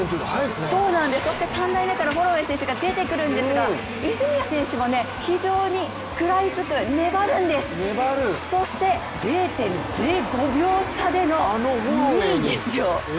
そして３台目からホロウェイ選手が出てくるんですけれども泉谷選手も非常に食らいつく、粘るんです、そして０．０５秒差での２位ですよ。